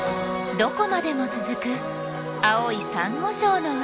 どこまでも続く青いサンゴ礁の海。